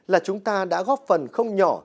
là chúng ta đã góp phần không nhỏ